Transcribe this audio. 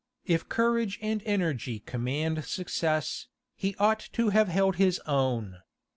If courage and energy command success, he ought to have held his own.